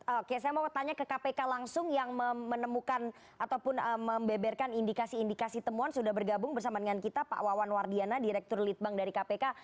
oke saya mau tanya ke kpk langsung yang menemukan ataupun membeberkan indikasi indikasi temuan sudah bergabung bersama dengan kita pak wawan wardiana direktur lead bank dari kpk